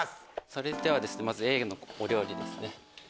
それではまずＡのお料理ですね。